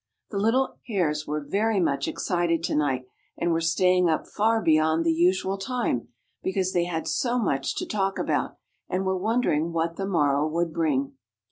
The little Hares were very much excited tonight, and were staying up far beyond the usual time, because they had so much to talk about, and were wondering what the morrow would bring.